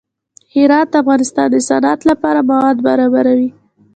هرات د افغانستان د صنعت لپاره مواد برابروي.